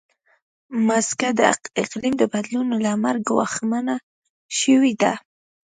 مځکه د اقلیم د بدلون له امله ګواښمنه شوې ده.